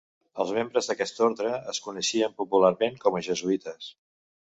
Els membres d'aquest orde es coneixen popularment com a jesuïtes.